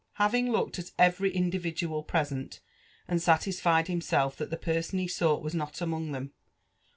Having looked at every individual present, and satisfied himself (hat the person he sought was not among them.